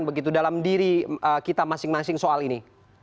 begitu dalam diri kita masing masing soal ini